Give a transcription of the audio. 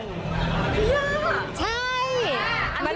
พี่ธัญญา